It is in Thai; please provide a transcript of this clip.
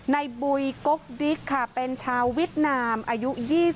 นายบุยก๊อกดิกค่ะเป็นชาววิทยุนามอายุ๒๐